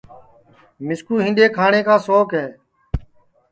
مِسکُو ہِنڈؔے کھاٹؔیں سونٚک ہے